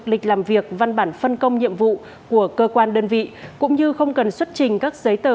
lịch làm việc văn bản phân công nhiệm vụ của cơ quan đơn vị cũng như không cần xuất trình các giấy tờ